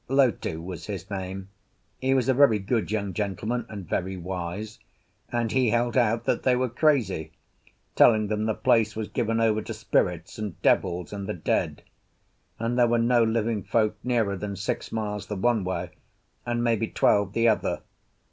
Lotu was his name; he was a very good young gentleman, and very wise; and he held out that they were crazy, telling them the place was given over to spirits and devils and the dead, and there were no living folk nearer than six miles the one way, and maybe twelve the other.